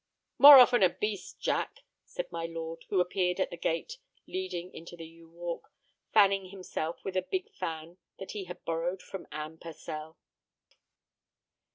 "More often a beast, Jack," said my lord, who appeared at the gate leading into the yew walk, fanning himself with a big fan that he had borrowed from Anne Purcell.